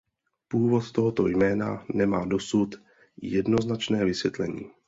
Původ tohoto jména nemá dosud jednoznačné vysvětlení.